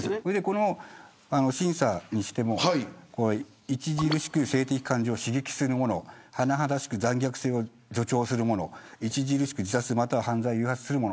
この審査にしても著しく性的感情を刺激するもの甚だしく残虐性を助長するもの著しく自殺または犯罪を誘発するもの。